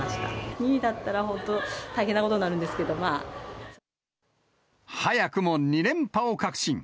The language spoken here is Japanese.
２位だったら、本当、大変なことになるんですけれども、まあ。早くも２連覇を確信。